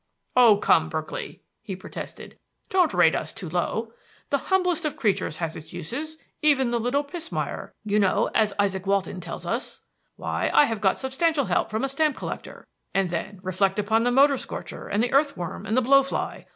"Oh, come, Berkeley!" he protested, "don't rate us too low. The humblest of creatures has its uses 'even the little pismire,' you know, as Izaak Walton tells us. Why, I have got substantial help from a stamp collector. And then reflect upon the motor scorcher and the earthworm and the blow fly.